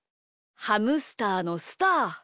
ハムスターのスター。